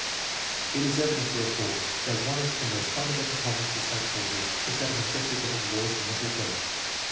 It is evident, therefore, that one of the most fundamental problems of psy chology is that of investigating the laws of mental growth.